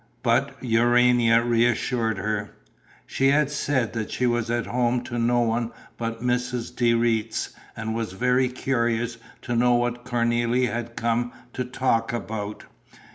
But Urania reassured her: she had said that she was at home to no one but Mrs. de Retz and was very curious to know what Cornélie had come to talk about.